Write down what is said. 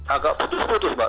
agak putus putus pak